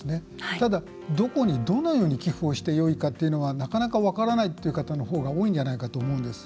ただ、どこにどのように寄付していいかというのはなかなか分からないという方のほうが多いんじゃないかと思うんです。